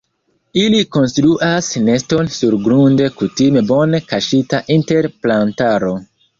Ili konstruas neston surgrunde kutime bone kaŝita inter plantaro.